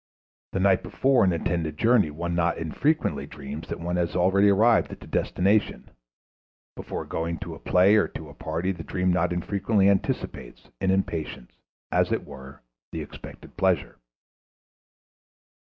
The night before an intended journey one not infrequently dreams that one has already arrived at the destination; before going to a play or to a party the dream not infrequently anticipates, in impatience, as it were, the expected pleasure.